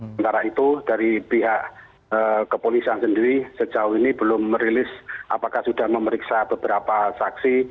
sementara itu dari pihak kepolisian sendiri sejauh ini belum merilis apakah sudah memeriksa beberapa saksi